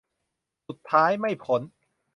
สุดท้ายไม่พ้น